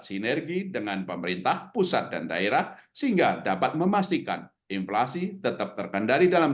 sinergi dengan pemerintah pusat dan daerah sehingga dapat memastikan inflasi tetap terkendali dalam